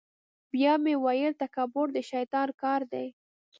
بیا مې ویل تکبر د شیطان کار دی.